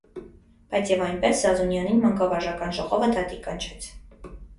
Բայց և այնպես Զազունյանին մանկավարժական ժողովը դատի կանչեց: